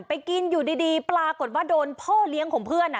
ไปกินอยู่ดีปรากฏว่าโดนพ่อเลี้ยงของเพื่อน